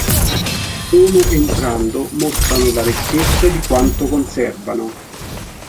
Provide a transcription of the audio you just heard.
Solo entrando mostrano la ricchezza di quanto conservano.